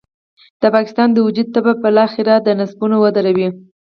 د پاکستان د وجود تبه به بالاخره نبضونه ودروي.